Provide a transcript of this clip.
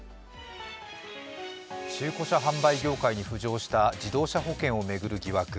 中古車販売業界に浮上した自動車保険を巡る疑惑。